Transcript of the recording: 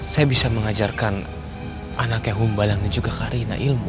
saya bisa mengajarkan anaknya humbalang dan juga karina ilmu